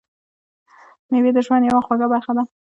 میوه د ژوند یوه خوږه برخه ده.